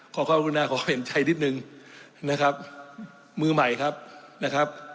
ขอความรุณาขอเห็นใจนิดนึงนะครับมือใหม่ครับนะครับ